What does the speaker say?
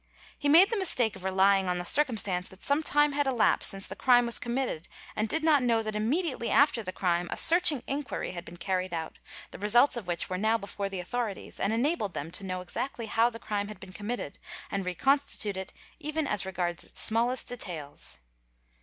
He made the mistake of relying on the circumstance that some time had elapsed since the crime was committed and did not know that immediately after the crime a searching inquiry had been carried out, the results of which were now before the authorities and enabled them to know . exactly how the crime had been committed and reconstitute it even as regards its smallest details.